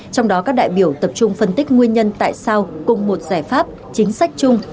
trong đó các đại biểu tập trung phân tích nguyên nhân tại sao cùng một giải pháp chính sách chung